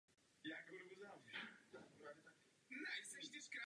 Po ukončení gymnázia studoval lékařství na pražské univerzitě.